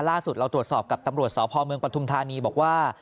ล่าสุดเราตรวจสอบกับตำรวจสพเมืองปฐุมธานีบอกว่า